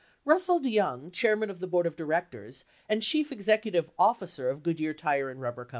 Russell DeYoung, chairman of the board of directors and chief executive officer of Goodyear Tire & Rubber Co.